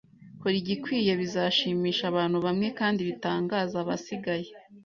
Kora igikwiye. Bizashimisha abantu bamwe kandi bitangaze abasigaye